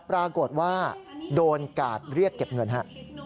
ปรากฏว่าเดียวโตนกัดเรียกเก็บเงินฮะ